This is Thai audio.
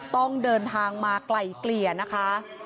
ต้องเดินทางมาไกล่เกลี่ยนะคะ